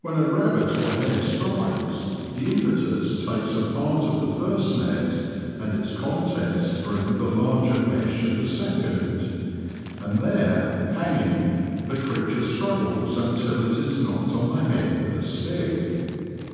When a rabbit or hare strikes, the impetus takes a part of the first net and its contents through the larger mesh of the second, and there, hanging, the creature struggles until it is knocked on the head with a stick.